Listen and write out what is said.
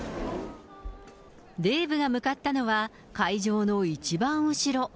デーブが向かったのは、会場の一番後ろ。